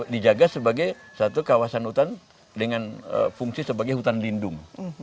dijaga sebagai satu kawasan hutan dengan fungsi sebagai hutan lindung